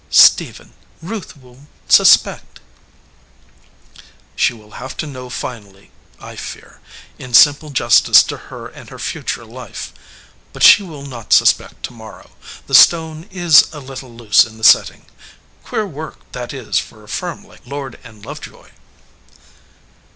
"Stephen, Ruth will suspect." "She will have to know finally, I fear, in simple justice to her and her future life. But she will not suspect to morrow. The stone is a little loose in the setting. Queer work that is for a firm like Lord & Love joy."